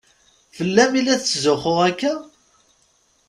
Fell-am i la tetzuxxu akka?